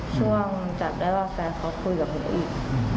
ช่วงจัดได้ว่าแฟนเขาคุยกับเขาอีก